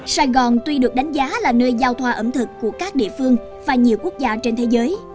sài gòn tuy được đánh giá là nơi giao thoa ẩm thực của các địa phương và nhiều quốc gia trên thế giới